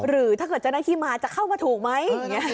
หรือถ้าเกิดเจ้าหน้าที่มาจะเข้ามาถูกไหม